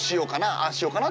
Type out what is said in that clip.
ああしようかな？